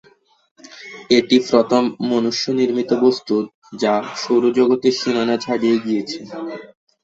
এটি প্রথম মনুষ্য নির্মিত বস্তু যা সৌরজগতের সীমানা ছাড়িয়ে গিয়েছে।